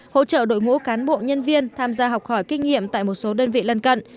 hỗ trợ đội ngũ cán bộ nhân viên tham gia học hỏi kinh nghiệm tại một số đơn vị lân cận